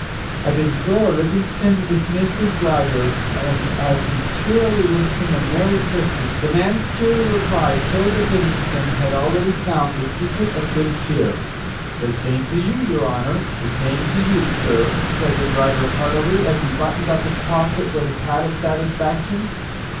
At his door Livingstone dismissed his driver and as he cheerily wished him a merry Christmas the man's cheery reply showed that Livingstone had already found the secret of good cheer. "The same to you, your honor; the same to you, sir," said the driver heartily, as he buttoned up his pocket with a pat of satisfaction.